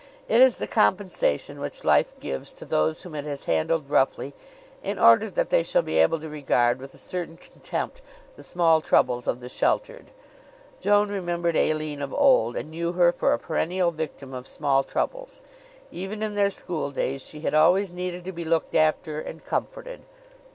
It is the compensation which life gives to those whom it has handled roughly in order that they shall be able to regard with a certain contempt the small troubles of the sheltered. Joan remembered Aline of old, and knew her for a perennial victim of small troubles. Even in their schooldays she had always needed to be looked after and comforted.